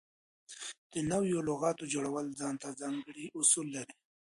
د نوو لغاتونو جوړول ځان ته ځانګړي اصول لري.